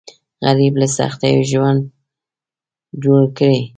غریب له سختیو ژوند جوړ کړی